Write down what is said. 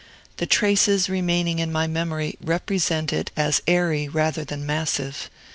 The traces remaining in my memory represent it as airy rather than massive.